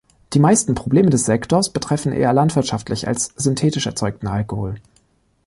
Die meisten Probleme des Sektors betreffen eher landwirtschaftlich als synthetisch erzeugten Alkohol.